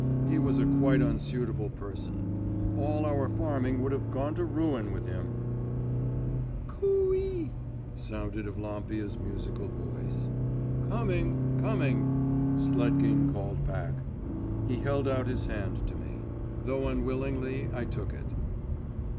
He was a quite unsuitable person. All our farming would have gone to ruin with him!' 'Coo y!' sounded Evlampia's musical voice. 'Coming! coming!' Sletkin called back. He held out his hand to me. Though unwillingly, I took it.